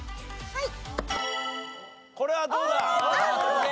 はい。